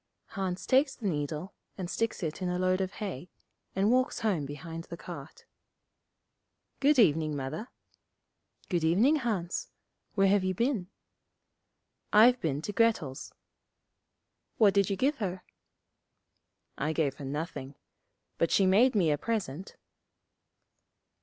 Hans takes the needle, and sticks it in a load of hay, and walks home behind the cart. 'Good evening, Mother.' 'Good evening, Hans. Where have you been?' 'I've been to Grettel's.' 'What did you give her?' 'I gave her nothing. But she made me a present.'